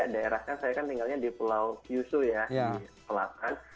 daerah kan saya kan tinggalnya di pulau yusu ya di selatan